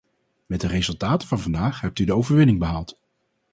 Met de resultaten van vandaag hebt u de overwinning behaald.